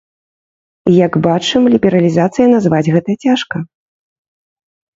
Як бачым, лібералізацыяй назваць гэта цяжка.